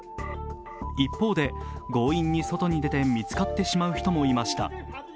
一方で、強引に外に出て見つかってしまう人もいました。